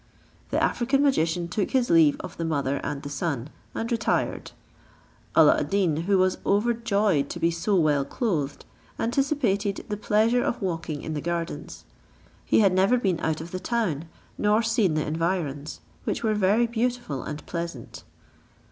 The African magician took his leave of the mother and the son, and retired. Alla ad Deen, who was overjoyed to be so well clothed, anticipated the pleasure of walking in the gardens. He had never been out of the town, nor seen the environs, which were very beautiful and pleasant.